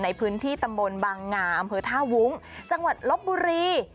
ในพื้นที่ตำบลบางงาอำเภอท่าวุ้งจังหวัดลบบุรี